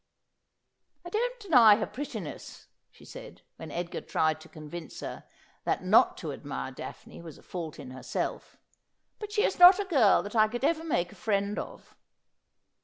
' I don't deny her prettmess,' she said, when Edgar tried to convince her that not to admire Daphne was a fault in herself, ' but she is not a girl that I could ever make a friend of.'